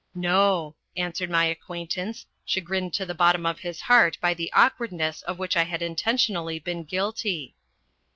" No !" answered my acquaintance, chagrined to the bottom of his heart by the awkwardness of which I had intentionally been guilty.